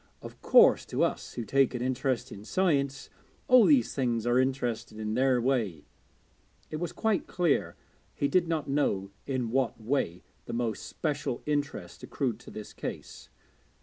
Of course, to us who take an interest in science, all these things are interesting in their way.' It was quite clear he did not know in what way the most special interest accrued to this case.